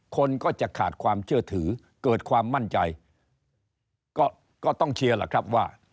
คนก็จะขาดความเชื่อถือเกิดความมั่นใจก็ต้องเชียร์ล่ะครับว่า